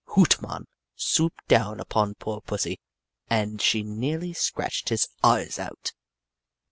Hoot Mon swooped down upon poor pussy, and she nearly scratched his eyes out.